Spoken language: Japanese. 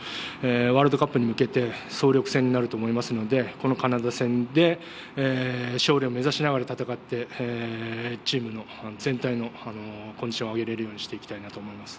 ワールドカップに向けて総力戦になると思いますのでこのカナダ戦で勝利を目指しながら戦ってチームの全体のコンディションを上げれるようにしていきたいなと思います。